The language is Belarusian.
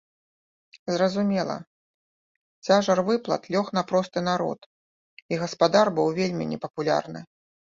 Зразумела, цяжар выплат лёг на просты народ, і гаспадар быў вельмі непапулярны.